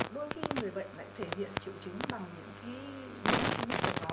đôi khi người bệnh lại thể hiện triệu chứng bằng những triệu chứng của đó